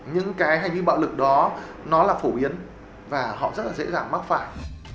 những cái hành vi bạo lực đó nó là phổ biến và họ rất là dễ dàng mắc phải